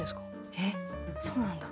へえそうなんだ。